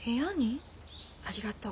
ありがとう。